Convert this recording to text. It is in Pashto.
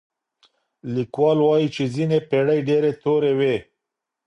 ليکوال وايي چي ځينې پېړۍ ډېرې تورې وې.